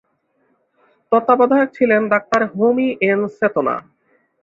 তত্ত্বাবধায়ক ছিলেন doctor Homi N সেতনা।